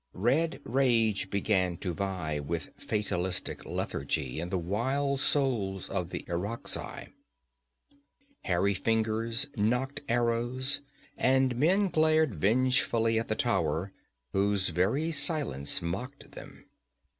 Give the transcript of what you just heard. Red rage began to vie with fatalistic lethargy in the wild souls of the Irakzai. Hairy fingers nocked arrows and men glared vengefully at the tower whose very silence mocked them.